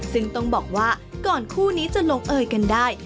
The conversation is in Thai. ซึ่งต้องบอกว่าก่อนคู่นี้จะลงเอยกันได้